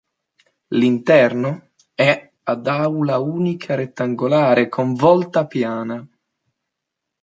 L'interno è ad aula unica rettangolare con volta piana.